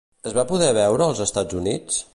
Es va poder veure als Estats Units?